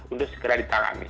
untuk segera ditarami